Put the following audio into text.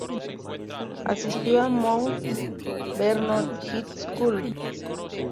Asistió a Mount Vernon High School.